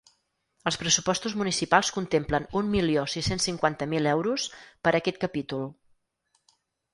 Els pressupostos municipals contemplen un milió sis-cents cinquanta mil euros per a aquest capítol.